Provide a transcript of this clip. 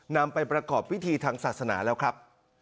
นำไปประกอบพิธีทางศาสนาแล้วครับ